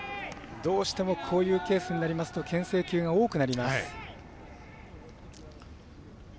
どうしてもこういうケースになりますとけん制球が多くなります。